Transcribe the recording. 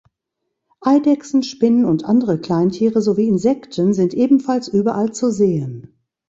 Eidechsen, Spinnen und andere Kleintiere sowie Insekten sind ebenfalls überall zu sehen.